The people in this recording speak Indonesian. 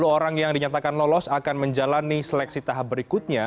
dua puluh orang yang dinyatakan lulus akan menjalani seleksi tahap berikutnya